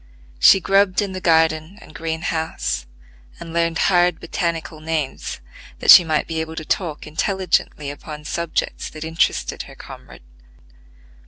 She grubbed in the garden and green house, and learned hard botanical names that she might be able to talk intelligently upon subjects that interested her comrade.